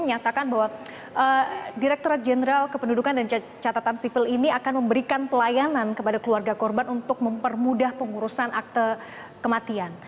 menyatakan bahwa direkturat jenderal kependudukan dan catatan sipil ini akan memberikan pelayanan kepada keluarga korban untuk mempermudah pengurusan akte kematian